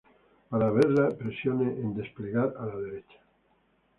Para verla, presione en "Desplegar", a la derecha.